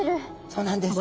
そうなんです。